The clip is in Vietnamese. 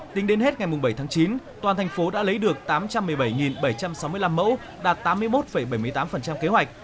tính đến hết ngày bảy tháng chín toàn thành phố đã lấy được tám trăm một mươi bảy bảy trăm sáu mươi năm mẫu đạt tám mươi một bảy mươi tám kế hoạch